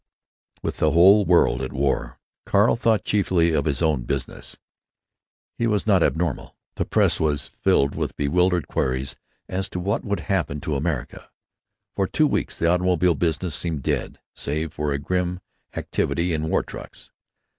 With a whole world at war, Carl thought chiefly of his own business. He was not abnormal. The press was filled with bewildered queries as to what would happen to America. For two weeks the automobile business seemed dead, save for a grim activity in war trucks.